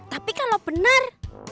tapi kalau benar